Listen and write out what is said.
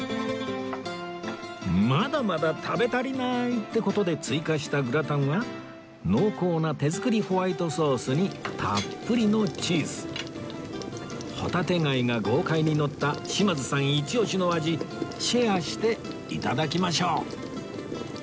まだまだ食べ足りない！って事で追加したグラタンは濃厚な手作りホワイトソースにたっぷりのチーズ帆立貝が豪快にのった島津さんイチオシの味シェアして頂きましょう